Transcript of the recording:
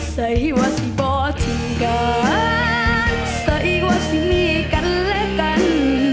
ใส่ว่าจะเป่าที่กันใส่ว่าจะมีกันและกัน